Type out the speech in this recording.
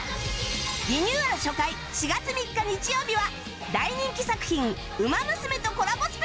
リニューアル初回４月３日日曜日は大人気作品『ウマ娘』とコラボ